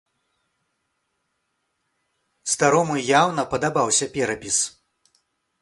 Старому яўна падабаўся перапіс.